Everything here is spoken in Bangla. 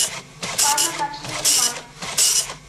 পা না কাটলে উনি মারা যাবেন।